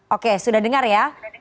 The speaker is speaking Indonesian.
oke sudah dengar ya